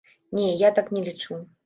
Не, я так не лічу.